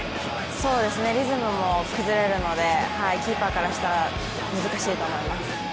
リズムも崩れるので、キーパーからしたら難しいと思います。